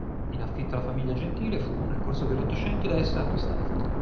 In affitto alla famiglia Gentile, fu, nel corso dell'Ottocento da essa acquistato.